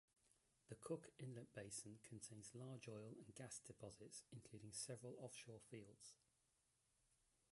The Cook Inlet Basin contains large oil and gas deposits including several offshore fields.